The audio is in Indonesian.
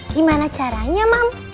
gimana caranya mam